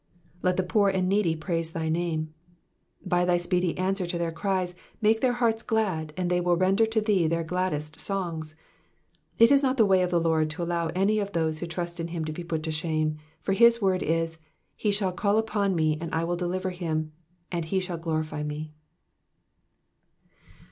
*'/>< the poor and ne^y praise thy name.'*^ By thy speedy answer to their cries make their hearts glad, and they will render to thee their gladdest songs. It is not the way of the Lord to allow any of those who trust in him to be put to shame ; for his word is, *^ He shall call upon me, and I will deliver him, and he shall glorify me."